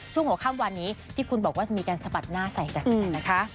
หัวข้ามวันนี้ที่คุณบอกว่าจะมีการสะบัดหน้าใส่กันนะคะ